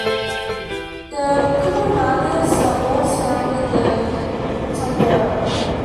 The cumananas all surround the Tondero.